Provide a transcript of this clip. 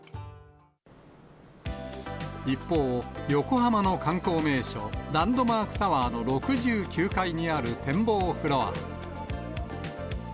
一方、横浜の観光名所、ランドマークタワーの６９階にある展望フロア。